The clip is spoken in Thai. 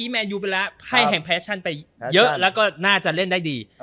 แมนยูไปแล้วไพ่แห่งแฟชั่นไปเยอะแล้วก็น่าจะเล่นได้ดี